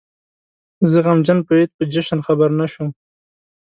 زه غمجن په عيد په جشن خبر نه شوم